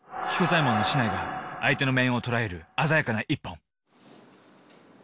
彦左衛門の竹刀が相手の面を捉える鮮やかな一本。